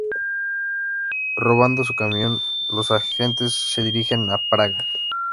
Robando su camión, los agentes se dirigen a Praga.